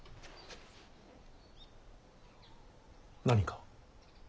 何か？